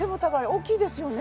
大きいですよね。